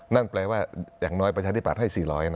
นั่นแปลว่าอย่างน้อยประชาธิบัตย์ให้๔๐๐นะ